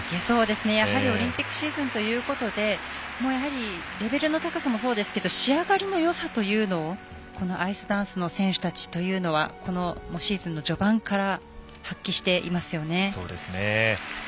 やはりオリンピックシーズンということでやはり、レベルの高さもそうですけど仕上がりのよさというのをこのアイスダンスの選手たちというのはシーズンの序盤から発揮していますよね。